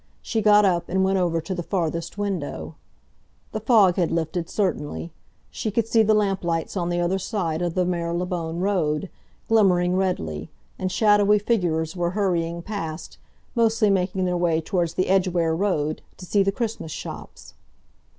She got up, and went over to the farthest window. The fog had lifted, certainly. She could see the lamp lights on the other side of the Marylebone Road, glimmering redly; and shadowy figures were hurrying past, mostly making their way towards the Edgware Road, to see the Christmas shops.